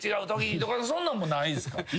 そんなんもないですか？